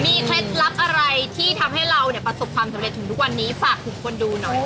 เคล็ดลับอะไรที่ทำให้เราเนี่ยประสบความสำเร็จถึงทุกวันนี้ฝากถึงคนดูหน่อย